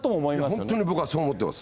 本当に僕はそう思ってます。